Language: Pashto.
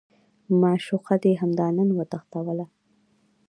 معشوقه دې همدا نن وتښتوه.